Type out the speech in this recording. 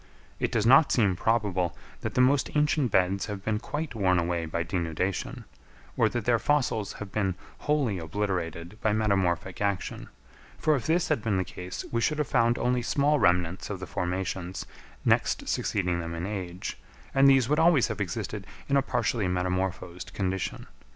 It does not seem probable that the most ancient beds have been quite worn away by denudation, or that their fossils have been wholly obliterated by metamorphic action, for if this had been the case we should have found only small remnants of the formations next succeeding them in age, and these would always have existed in a partially metamorphosed condition.